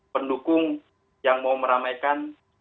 pendukung yang mau meramaikan